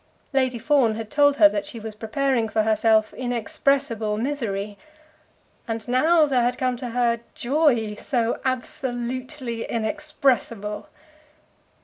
Lady Fawn had told her that she was preparing for herself inexpressible misery; and now there had come to her joy so absolutely inexpressible!